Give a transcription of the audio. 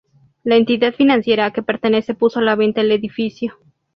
La entidad financiera a que pertenece puso a la venta el edificio.